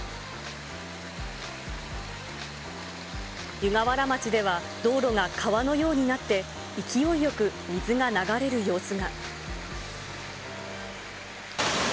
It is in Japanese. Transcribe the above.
湯河原町では道路が川のようになって、勢いよく水が流れる様子が。